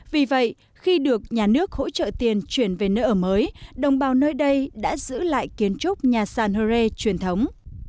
vì vậy khi được nhà nước hỗ trợ tiền chuyển về nơi ở mới đồng bào nơi đây đã giữ lại kiến trúc nhà sàn hơ rê truyền thống